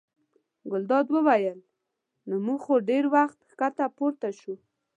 ګلداد وویل: نو موږ خو ډېر وخت ښکته پورته شوو.